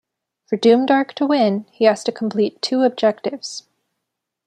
For Doomdark to win, he has to complete two objectives.